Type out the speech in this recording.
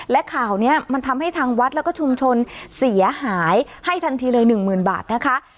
และข่าวนี้มันทำให้ทางวัดแล้วก็ชุมชนเสียหายให้ทันทีเลยหนึ่งหมื่นบาทนะคะ